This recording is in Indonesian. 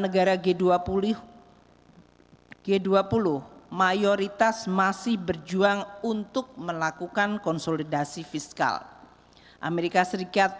negara g dua puluh g dua puluh mayoritas masih berjuang untuk melakukan konsolidasi fiskal amerika serikat